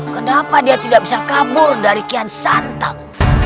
kenapa dia tidak bisa kabur dari kian santang